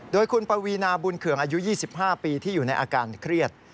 โดยคุณปวีนาบุญเคืองอายุ๒๕ปีที่อยู่ในอาการเครียด